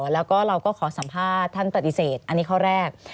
แล้วก็เราก็ขอสัมภาษณ์ท่านปฏิเสธอันนี้ข้อแรก